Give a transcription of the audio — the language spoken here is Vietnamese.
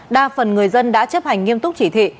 đa phần người dân đã chấp hành nghiêm túc chỉ thị